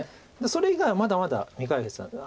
それ以外はまだまだ未解決な。